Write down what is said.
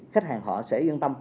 khách hàng họ sẽ yên tâm